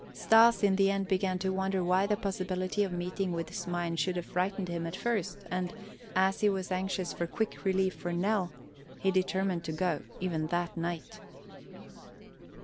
Stas in the end began to wonder why the possibility of meeting with Smain should have frightened him at first and, as he was anxious for quick relief for Nell, he determined to go, even that night.